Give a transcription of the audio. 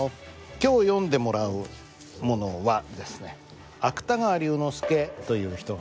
今日読んでもらうものはですね芥川龍之介という人が書いたんですが。